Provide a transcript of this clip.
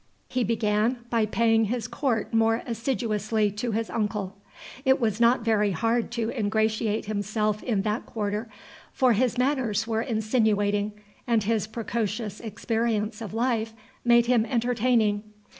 He began by paying his court more assiduously to his uncle. It was not very hard to ingratiate himself in that quarter; for his manners were insinuating, and his precocious experience of life made him entertaining.